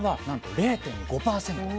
０．５％。